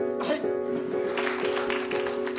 はい。